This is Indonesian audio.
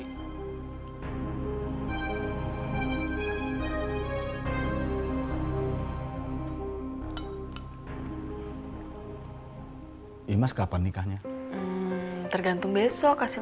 selama lamanya ngapain ini ngapain sih